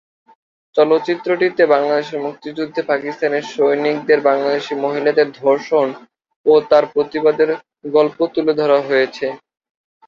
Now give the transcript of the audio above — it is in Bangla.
চলচ্চিত্রটিতে বাংলাদেশের মুক্তিযুদ্ধে পাকিস্তানের সৈনিকদের বাংলাদেশি মহিলাদের ধর্ষণ ও তার প্রতিবাদের গল্প তুলে ধরা হয়েছে।